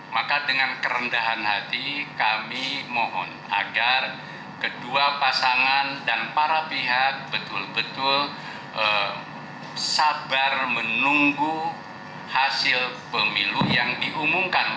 maka dengan kerendahan hati kami mohon agar kedua pasangan dan para pihak betul betul sabar menunggu hasil pemilu yang diumumkan